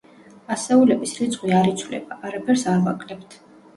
ასეულების რიცხვი არ იცვლება, არაფერს არ ვაკლებთ.